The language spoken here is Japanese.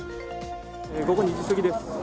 午後２時過ぎです。